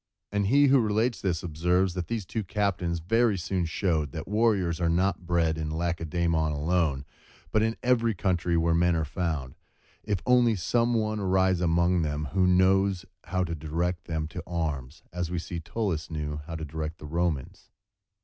And he who relates this, observes, that these two captains very soon showed that warriors are not bred in Lacedæmon alone, but in every country where men are found, if only some one arise among them who knows how to direct them to arms; as we see Tullus knew how to direct the Romans.